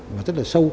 và rất là sâu